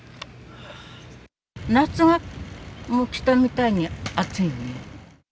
夏がもう来たみたいに暑いね。